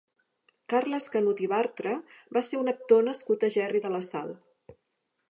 Carles Canut i Bartra va ser un actor nascut a Gerri de la Sal.